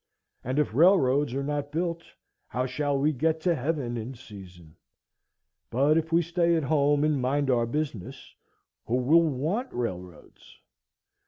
And if railroads are not built, how shall we get to heaven in season? But if we stay at home and mind our business, who will want railroads?